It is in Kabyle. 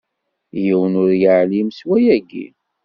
Yiwen ur iɛellem s wayagi!